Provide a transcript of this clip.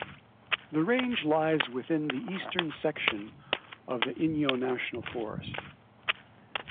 The range lies within the eastern section of the Inyo National Forest.